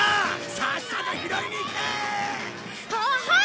さっさと拾いに行け！ははい！